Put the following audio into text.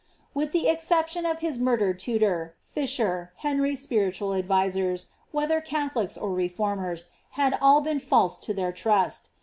Willi tlie exception of his murdered tutor, Fisher, Henry^ spiriunl advisers, whether Catholics or Reformers, had all been false to their trust.